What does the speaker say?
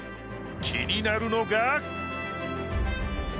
気になるのが。